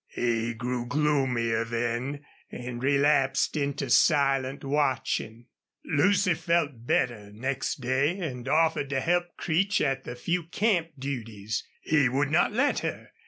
He grew gloomier then and relapsed into silent watching. Lucy felt better next day, and offered to help Creech at the few camp duties. He would not let her.